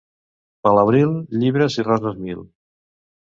Per l'abril, llibres i roses mil.